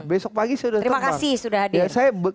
besok pagi saya sudah termasuk